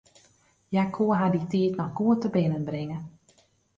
Hja koe har dy tiid noch goed tebinnenbringe.